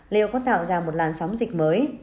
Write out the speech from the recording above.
liệu có tạo ra một làn sóng dịch mới